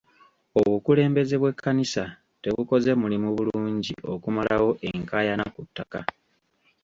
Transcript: Obukulembeze bw'ekkanisa tebukoze mulimu bulungi okumalawo enkaayana ku ttaka.